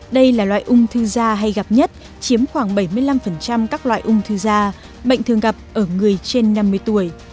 đây là loại ung thư da hay gặp nhất chiếm khoảng bảy mươi năm các loại ung thư da bệnh thường gặp ở người trên năm mươi tuổi